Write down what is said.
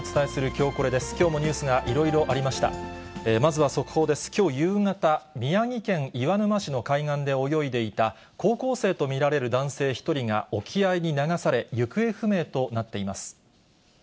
きょう夕方、宮城県岩沼市の海岸で泳いでいた高校生と見られる男性１人が沖合に流され、行方不明となっています。